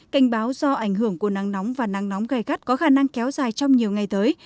cảnh báo do ảnh hưởng của nắng nóng và nắng nóng gai gắt có khả năng kéo dài trong nhiều ngày tới